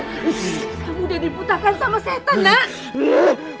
kamu udah diputahkan sama setan nak